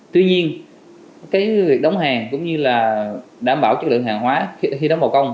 tuy nhiên cái việc đóng hàng cũng như là đảm bảo chất lượng hàng hóa khi đóng bảo công